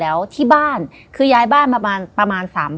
และยินดีต้อนรับทุกท่านเข้าสู่เดือนพฤษภาคมครับ